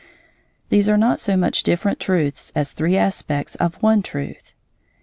_ These are not so much different truths as three aspects of one truth.